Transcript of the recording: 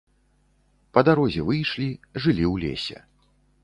Па дарозе выйшлі, жылі ў лесе.